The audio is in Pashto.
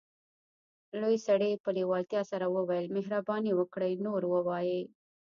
لوی سړي په لیوالتیا سره وویل مهرباني وکړئ نور ووایئ